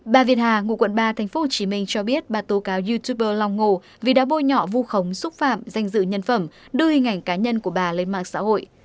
bà việt hà ngụ quận ba tp hcm cho biết bà tố cáo youtuber long ngô vì đã bôi nhọ vô khống xúc phạm danh dự nhân phẩm đuôi ngành cá nhân của bà lên mạng xã hội